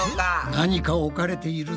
何か置かれているぞ。